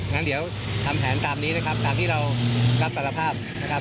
มีแผนตามนี้นะครับตามที่เรากลับตลอดภาพนะครับ